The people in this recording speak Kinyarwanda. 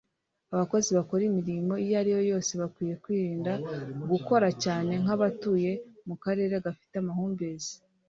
abakozi bakora imirimo iyo ariyo yose bakwiriye kwirinda gukora cyane nk'abatuye mu karere gafite amahumbezi